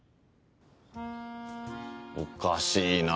・おかしいなぁ。